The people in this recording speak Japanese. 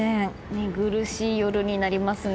寝苦しい夜になりますね。